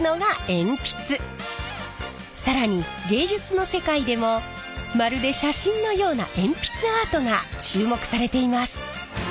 更に芸術の世界でもまるで写真のような鉛筆アートが注目されています！